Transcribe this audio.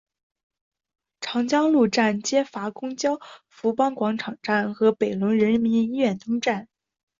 长江路站接驳公交富邦广场站和北仑人民医院东站。